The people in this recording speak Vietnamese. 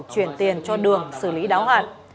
chuyển tiền cho đường xử lý đáo hạt